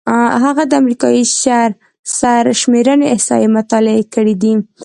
هغه د امریکايي سرشمېرنې احصایې مطالعه کړې دي.